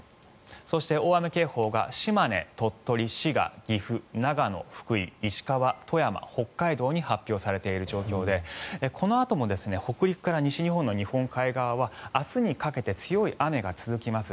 そして大雨警報が島根、鳥取、滋賀岐阜、長野、福井、石川富山、北海道に発表されている状況でこのあとも北陸から西日本の日本海側は明日にかけて強い雨が続きます。